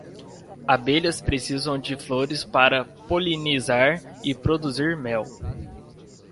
Abelhas precisam de flores para polinizar e produzir mel